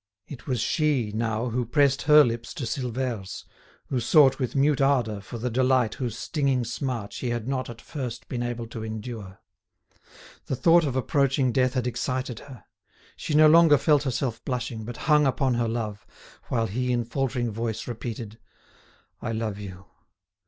It was she, now, who pressed her lips to Silvère's, who sought with mute ardour for the delight whose stinging smart she had not at first been able to endure. The thought of approaching death had excited her; she no longer felt herself blushing, but hung upon her love, while he in faltering voice repeated: "I love you!